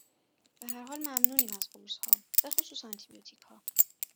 به هر حال ممنونیم از قرصها، بخصوص آنتیبیوتیکها